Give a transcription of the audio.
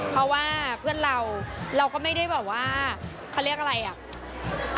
เพราะว่าเพื่อนเราเราก็ไม่ได้แบบว่าเขาเรียกอะไรอ่ะ